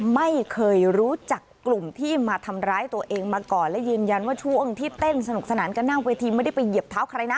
ไม่เคยรู้จักกลุ่มที่มาทำร้ายตัวเองมาก่อนและยืนยันว่าช่วงที่เต้นสนุกสนานกันหน้าเวทีไม่ได้ไปเหยียบเท้าใครนะ